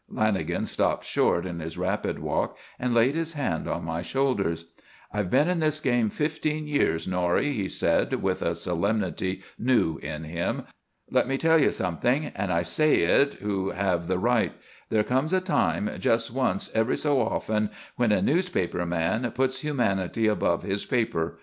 Lanagan stopped short in his rapid walk and laid his hand on my shoulders. "I've been in this game fifteen years, Norrie," he said, with a solemnity new in him. "Let me tell you something, and I say it who have the right: there comes a time just once every so often when a newspaper man puts humanity above his paper.